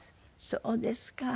そうですか。